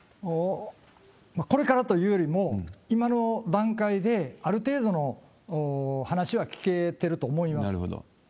これからというよりも、今の段階で、ある程度の話は聞けてると思います。